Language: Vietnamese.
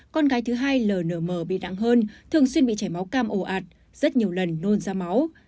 con gái thứ hai ln bị nặng hơn thường xuyên bị chảy máu cam ồ ạt rất nhiều lần nôn ra máu